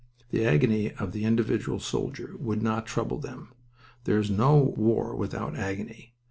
The agony of the individual soldier would not trouble them. There is no war without agony.